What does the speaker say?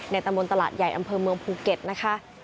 ตำบลตลาดใหญ่อำเภอเมืองภูเก็ตนะคะ